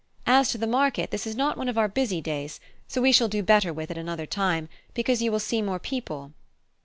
As to the market, this is not one of our busy days; so we shall do better with it another time, because you will see more people."